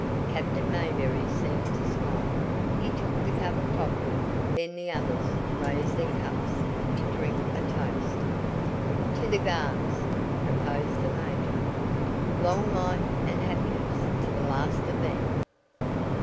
Captain Mayberry seemed to smile. He took the cup of coffee then the others raised their cups to drink a toast. "To the Guards!" proposed the major. "Long life and happiness to the last of them!"